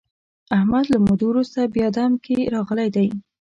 احمد له مودو ورسته بیا دم کې راغلی دی.